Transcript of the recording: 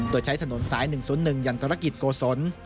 โดยใช้ถนนสาย๑๐๑ยันตรกิจโกศล